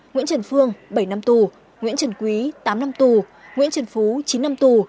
nguyễn trần phương bảy năm tù nguyễn trần quý tám năm tù nguyễn trần phú chín năm tù